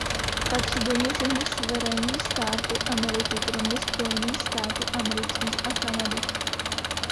Patří do něj všechny suverénní státy Ameriky kromě Spojených států amerických a Kanady.